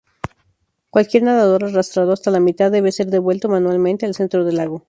Cualquier nadador arrastrado hasta la mitad debe ser devuelto manualmente al centro del lago.